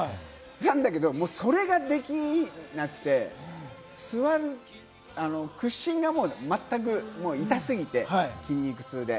なんだけれども、それができなくて、屈伸が、もうまったく痛すぎて、筋肉痛で。